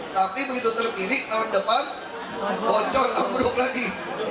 tapi begitu terpilih tahun depan bocor ambruk lagi